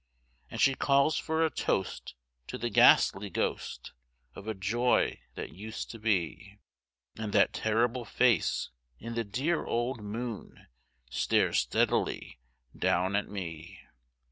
And she calls for a toast to the ghastly ghost Of a joy that used to be. And that terrible face in the dear old moon Stares steadily down at me.